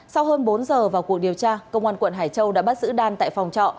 sau hơn bốn giờ vào cuộc điều tra công an quận hải châu đã bắt giữ đan tại phòng trọ